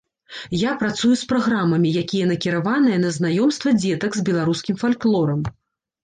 Я працую з праграмамі, якія накіраваныя на знаёмства дзетак з беларускім фальклорам.